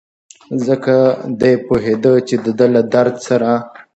ځکه دی پوهېده چې دده له درد سره.